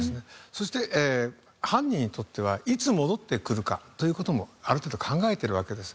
そして犯人にとってはいつ戻ってくるかという事もある程度考えてるわけです。